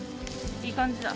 いい感じだ。